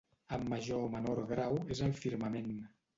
En major o menor grau, és al firmament.